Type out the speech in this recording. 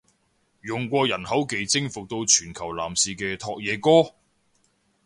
用過人口技征服到全球男士嘅拓也哥！？